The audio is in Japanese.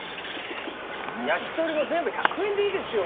焼き鳥も全部１００円でいいですよ